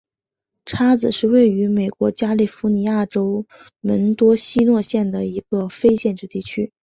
叉子是位于美国加利福尼亚州门多西诺县的一个非建制地区。